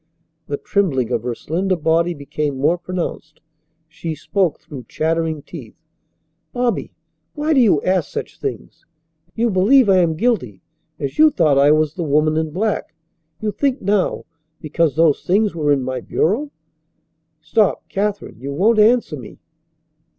The trembling of her slender body became more pronounced. She spoke through chattering teeth: "Bobby! Why do you ask such things? You believe I am guilty as you thought I was the woman in black. You think now, because those things were in my bureau " "Stop, Katherine! You won't answer me?"